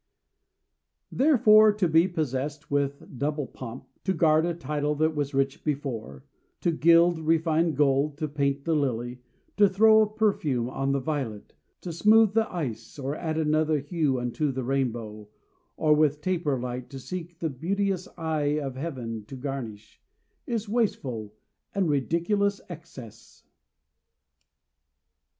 Therefore, to be possessed with double pomp, To guard a title that was rich before, To gild refined gold, to paint the lily, To throw a perfume on the violet, To smooth the ice, or add another hue Unto the rainbow, or with taper light To seek the beauteous eye of heaven to garnish, Is wasteful and ridiculous excess.